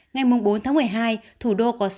ngày bốn tháng một mươi hai thủ đô có sáu trăm hai mươi tám